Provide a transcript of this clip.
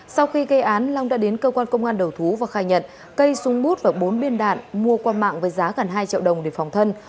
sau khi gây án long đã đến cơ quan công an đầu thú và khai nhận cây súng bút và bốn biên đạn mua qua mạng với giá gần hai triệu đồng để phòng thân